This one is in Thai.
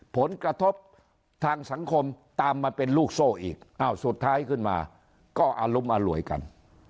ผลกระทบทางสังคมตามมาเป็นลูกโซ่อีกอ้าวสุดท้ายขึ้นมาก็อารุมอร่วยกัน